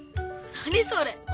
何それ？